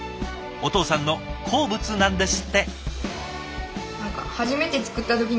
お父さんの好物なんですって！